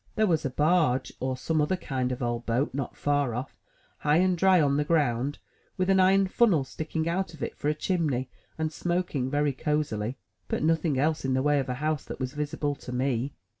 There was a barge, or some other kind of old boat, not far off, high and dry on the ground, with an iron funnel sticking out of it for a chimney and smoking very cosily, but nothing else in the way of a house that was visible to me.